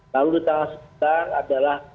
lalu di tanggal setengah adalah